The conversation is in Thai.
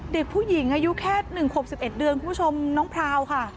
เด็กผู้หญิงอายุแค่๑ขวบ๑๑เดือนคุณผู้ชมน้องพราวค่ะ